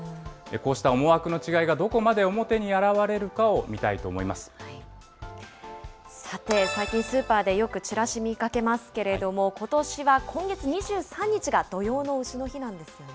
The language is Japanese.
こうした思惑の違いがどこまで表にあらわれるかを見たいと思いまさて、最近、スーパーで、よくちらし見かけますけれども、ことしは今月２３日が土用のうし